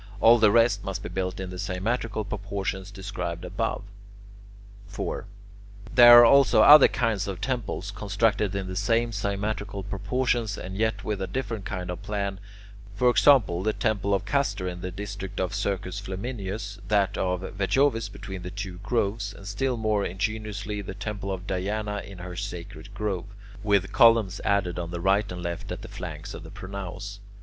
All the rest must be built in the symmetrical proportions described above. [Illustration: From Durm THE CIRCULAR TEMPLE ACCORDING TO VITRUVIUS] 4. There are also other kinds of temples, constructed in the same symmetrical proportions and yet with a different kind of plan: for example, the temple of Castor in the district of the Circus Flaminius, that of Vejovis between the two groves, and still more ingeniously the temple of Diana in her sacred grove, with columns added on the right and left at the flanks of the pronaos.